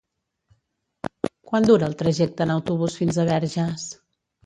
Quant dura el trajecte en autobús fins a Verges?